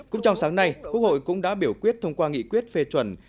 cũng trong sáng nay quốc hội cũng đã biểu quyết thông qua nghị quyết phê chuẩn